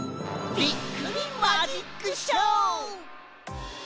びっくりマジックショー！